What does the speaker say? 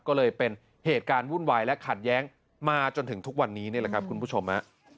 ก็เลยเป็นเหตุการณ์วุ่นวายและขัดแย้งมาจนถึงทุกวันนี้นี่แหละครับคุณผู้ชมฮะ